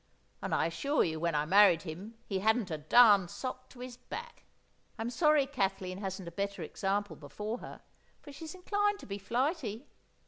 And I assure you, when I married him, he hadn't a darned sock to his back. I'm sorry Kathleen hasn't a better example before her, for she's inclined to be flighty.